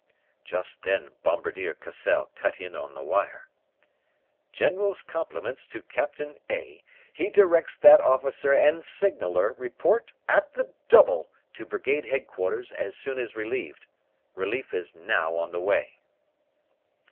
"Just then Bombardier Cassell cut in on the wire: "'General's compliments to Captain A . He directs that officer and signaler report at the double to Brigade Headquarters as soon as relieved. Relief is now on the way.'